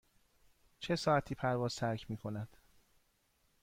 چه ساعتی پرواز ترک می کند؟